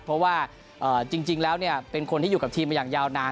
เพราะว่าจริงแล้วเป็นคนที่อยู่กับทีมมาอย่างยาวนาน